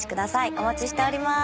お待ちしております！